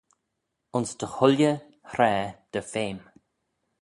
Ayns dy chooilley hraa dy feme.